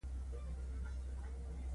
رفیع صاحب شخصي کتابونه ورته راوړي ول.